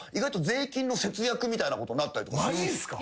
マジっすか？